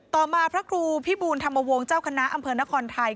ต่อมาพระครูพิบูลธรรมวงศ์เจ้าคณะอำเภอนครไทย